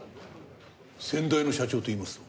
先代の社長といいますと？